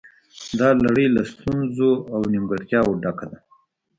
دا لړۍ له ستونزو او نیمګړتیاوو ډکه ده